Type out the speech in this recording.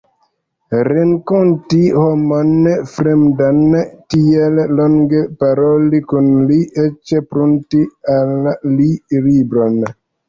Renkonti homon fremdan, tiel longe paroli kun li, eĉ prunti al li libron!